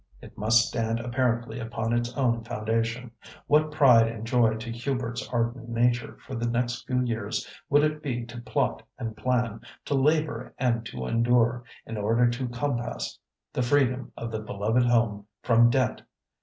It must stand apparently upon its own foundation. What pride and joy to Hubert's ardent nature for the next few years would it be to plot and plan, to labour and to endure, in order to compass the freedom of the beloved home from debt!